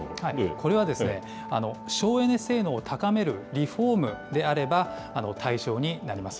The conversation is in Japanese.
これは、省エネ性能を高めるリフォームであれば、対象になります。